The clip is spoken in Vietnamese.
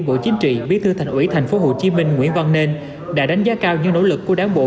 bộ chính trị bí thư thành ủy tp hcm nguyễn văn nên đã đánh giá cao những nỗ lực của đảng bộ